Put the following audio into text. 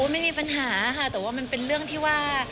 ไม่มีปัญหาค่ะแต่ว่ามันเป็นเรื่องที่ว่า